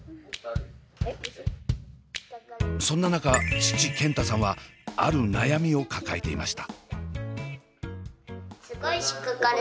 そんな中父健太さんはある悩みを抱えていました。